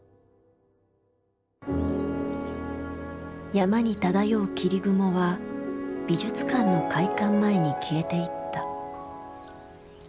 山に漂う霧雲は美術館の開館前に消えていった。